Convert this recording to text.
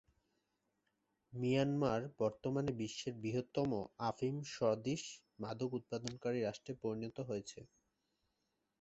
Myanmar বর্তমানে বিশ্বের বৃহত্তম আফিম-সদৃশ মাদক উৎপাদনকারী রাষ্ট্রে পরিণত হয়েছে।